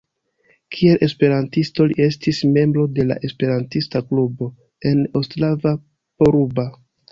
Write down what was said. Kiel esperantisto li estis membro de la esperantista klubo en Ostrava-Poruba.